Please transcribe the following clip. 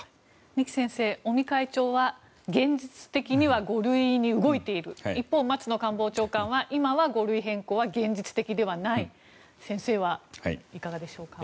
二木先生、尾身会長は現実的には５類に動いている一方、松野官房長官は今は５類変更は現実的ではない先生はいかがでしょうか。